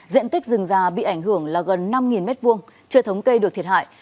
diện tích rừng già bị ảnh hưởng là gần năm m hai chưa thống cây được thiệt hại